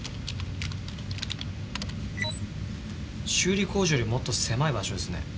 修理工場よりもっと狭い場所ですね。